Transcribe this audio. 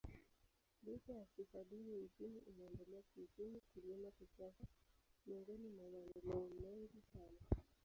Licha ya sifa duni nchini, imeendelea kiuchumi, kilimo, kisiasa miongoni mwa maendeleo mengi sana.